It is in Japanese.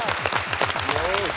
よし。